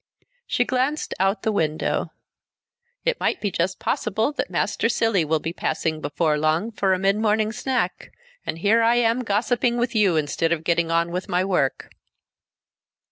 She glanced out the window. "It might be just possible that Master Cilley will be passing by before long for a midmorning snack and here I am gossiping with you instead of getting on with my work."